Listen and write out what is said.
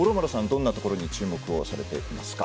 どんなところに注目をされていますか？